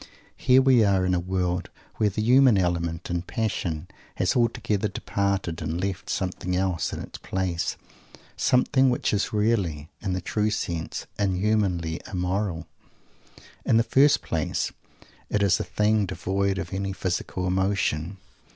Here we are in a world where the human element, in passion, has altogether departed, and left something else in its place; something which is really, in the true sense, "inhumanly immoral." In the first place, it is a thing devoid of any physical emotion.